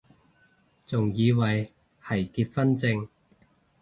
仲以為係結婚証